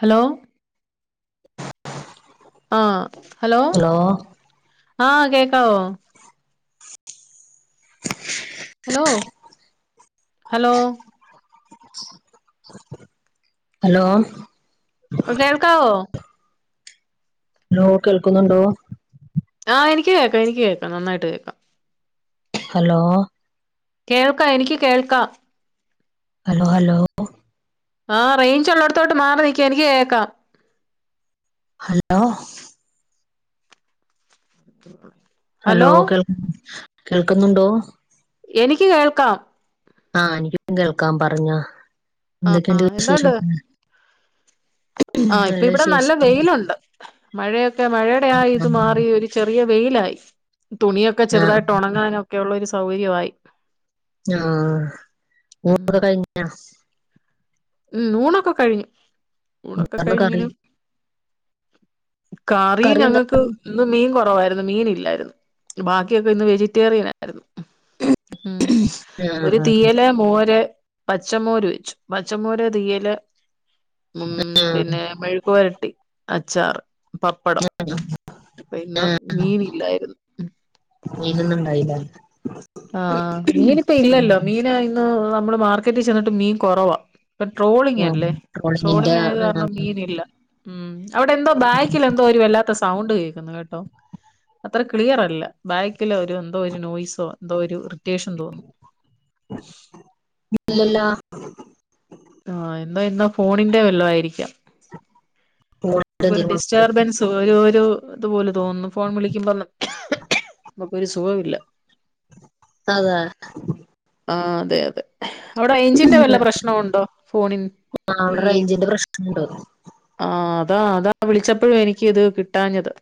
Hello ആഹ് hello ആഹ് കേക്കാവോ ഹലോ ഹലോ ഹലോ പ്പ കേൾക്കാവോ? ഹലോ കേൾക്കുന്നുണ്ടോ? ആഹ് എനിക്ക് കേക്കാം എനിക്ക് കേക്കാം നന്നായിട്ട് കേക്കാം. ഹലോ കേൾക്കാ എനിക്ക് കേൾക്കാ. Hello hello. ആഹ് റെയ്ഞ്ച് ഉള്ളട്ത്തോട്ട് മാറി നിക്ക് എനിക്ക് കേക്കാം. ഹലോ [unintelligible] ഹലോ കേൾ കേൾക്കുന്നുണ്ടോ? എനിക്ക് കേൾക്കാം. ആഹ് എനിക്കും കേൾക്കാം. പറഞ്ഞോ, എന്തൊക്കെയുണ്ട് ആഹ് വിശേഷം? എന്തുണ്ട് ഉം ആഹ് ഇപ്പ ഇവിടെ നല്ല വിശേഷം വെയിലൊണ്ട്. മഴയൊക്കെ മഴയുടെ ആ ഇത് മാറി ഒര് ചെറിയ വെയിലായി. തുണിയൊക്കെ ആ ചെറുതായിട്ട് ഒണങ്ങാനൊക്കെ ഉള്ള ഒരു സൗകര്യവായി. ആഹ് ഊണൊകെ കഴിഞ്ഞാ? മ്മ് ഊണൊക്കെ കഴിഞ്ഞ് ഊണൊക്കെ എന്തായിരുന്നു കറി കഴിഞ്ഞ്ങ്ങനെ, കറീ കറി എന്താ ഞങ്ങക്ക് ഇന്ന് മീൻ കൊറവായിര്ന്ന് മീൻ ഇല്ലായിര്ന്ന് ബാക്കിയൊക്കെ ഇന്ന് വെജിറ്റേറിയനായിര്ന്ന്. മ്മ്. ആ ഒരു തീയല് മോര് പച്ചമോര് വെച്ചു പ ച്ചമോര് തീയ്യല് മ്മ് ആ ആ പിന്നെ മെഴുക്കു പൊരട്ടി അച്ചാറ്. പപ്പടം അപ്പം ഇന്ന് മീൻ ഇല്ലായിര്ന്ന്. മീന് ഇന്ന്ണ്ടായില്ല. ആഹ്. മീന് ഇപ്പ ഇല്ലല്ലോ മീന് ഇന്ന് നമ്മള് മാർക്കറ്റി ചെന്നിട്ടും മീൻ കൊറവാ. ഇപ്പം ട്രോളിങ് ഉം അല്ലേ ട്രോളിങ്ങിന്റെ ട്രോളിങ് ആയത് ആ കാരണം മീനില്ല. മ്മ്. അവടെ എന്തോ ബാക്കിലെന്തോ ഒരു വല്ലാത്ത സൗണ്ട് കേക്ക്ന്ന് കേട്ടോ. അത്ര ക്ലിയറല്ല. ബാക്കില് ഒരു എന്തോ ഒരു നോയ്സോ എന്തോ ഒരു ഇറിറ്റേഷൻ തോന്നുന്നു. ഇല്ലല്ലോ. ആഹ് എന്തോ ഇന്നാ ഫോണിന്റെ വല്ലോം ആയിരിക്കാം. ട്രോളിങ്ങിന്റെ നമുക്കൊരു എന്തേലും ഡിസ് കുഴപ്പം റ്റേർബെൻസ് ഒരു ഒരു ഇതുപോലെ തോന്നുന്നു ഫോൺ വിളിക്കുമ്പം. നമുക്കൊരു സുഖവില്ല. അതെ. ആഹ് അതെയതെ. അവടെ റെയ്ഞ്ചിന്റെ വല്ല പ്രശ്നവുണ്ടോ ഫോണിൻ ആ അവിടെ ഈ റേഞ്ചിന്റെ പ്രശ്നമുണ്ട് ആഹ് അതാ അതാ വിളിച്ചപ്പഴും എനിക്കിത് കിട്ടാഞ്ഞത്.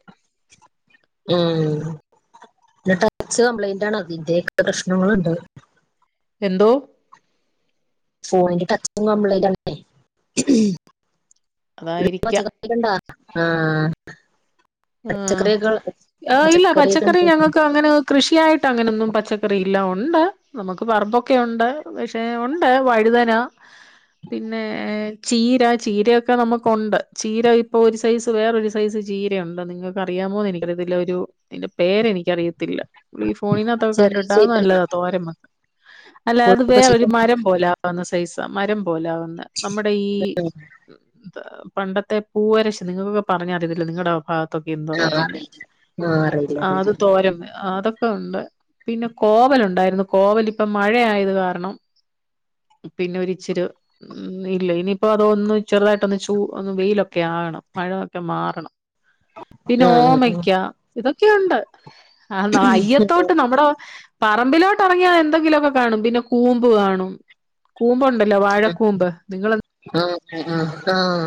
മ്മ്. പിന്നെ ട്ടച്ച് കംപ്ലൈന്റാണ് അതിൻ്റെയൊക്കെ പ്രശ്നങ്ങള്ണ്ട്. എന്തോ? ഫോണിന്റെ ടച്ചും കംപ്ലൈൻ്റാണെന്നെ അതായിരിക്കാം [unintelligible] [unintelligible] ആഹ്. ആഹ്. ആഹ് ഇല്ല പച്ചക്കറിയൊക്കെ പച്ചക്കറി ഉണ്ട് ഞങ്ങക്കങ്ങനെ കൃഷിയായിട്ട് അങ്ങനൊന്നും പച്ചക്കറി ഇല്ല ഒണ്ട് നമുക്ക് പറമ്പൊക്കെ ഉണ്ട്. പക്ഷെ ഉണ്ട് വഴുതന പിന്നെ ചീര ചീരെയൊക്കെ നമുക്കുണ്ട്. ചീര ഇപ്പൊ ഒരു സൈസ് വേറൊരു സൈസ് ചീരയുണ്ട്, നിങ്ങക്ക് അറിയാമോന്ന് എനിക്കറിയത്തില്ല. ഒരു അയ്ന്റെ പേര് എനിക്കറിയത്തില്ല. ഈ ഫോണിനാത്തൊക്കെ ചെറിയ കണ്ടിണ്ട് അത് ചീത്തയാണ് നല്ലതാ തോരൻ വെക്കാൻ. അല്ല അത് കോഴിയൊക്കെ വേറെ ഒരു ചീത്ത മരം പോലാവുന്ന സൈസാ മരം പോലാവുന്ന. നമ്മുടെ ഈ പണ്ടത്തെ പൂവരശ് നിങ്ങൾക്കൊക്കെ പറഞ്ഞറിയതില്ല നിങ്ങളുടെ ഭാഗ ഇതൊക്കെ എന്താ ആ പറയുന്ന അറിയില്ല ആ അറിയില്ല അത് അറിയില്ല തോരം അതൊ ഉണ്ട് പിന്നെ കോവല ഉണ്ടായിരുന്നു കോവല ഇപ്പൊ മഴയത് കാരണം പിന്നെ ഒരിച്ചെരു ഉ ഇല്ല ഇനിയിപ്പോ അതൊന്ന് ചെറുതായിട്ട്ന്ന് ചൂ ഒന്ന് വെയിലൊക്കെ ആകണം മഴൊക്കെ മാറണം പിന്നെ ആ ഓമയ്ക്ക ഇതൊക്കെയുണ്ട് ആഹ് അയ്യത്തോട്ട് നമ്മുടെ പറമ്പിലോട്ട് ഇറങ്ങിയാ എന്തെങ്കിലുമൊക്കെ കാണും പിന്നെ കൂമ്പ് കാണും കൂമ്പു ഇല്ല വാഴക്കൂമ്പ് നിങ്ങൾ ആഹ് ആഹ്